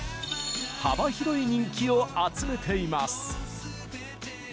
幅広い人気を集めています。